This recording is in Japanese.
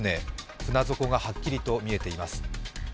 船底がはっきりと見えています。